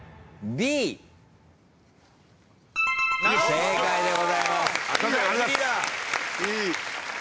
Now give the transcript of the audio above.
正解でございます。